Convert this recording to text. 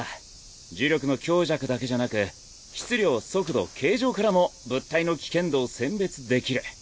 呪力の強弱だけじゃなく質量速度形状からも物体の危険度を選別できる。